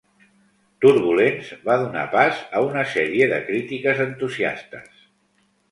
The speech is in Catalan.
"Turbulence" va donar pas a una sèrie de crítiques entusiastes.